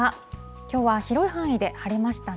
きょうは広い範囲で晴れましたね。